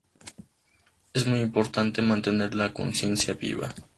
Es muy importante mantener la conciencia viva.